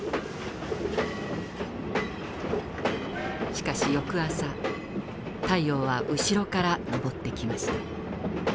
しかし翌朝太陽は後ろから昇ってきました。